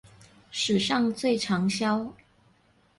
史上最長銷